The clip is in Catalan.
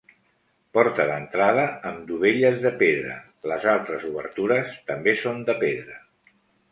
Porta d'entrada amb dovelles de pedra, les altres obertures també són de pedra.